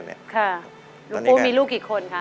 ค่ะลูกคุณมีลูกกี่คนครับ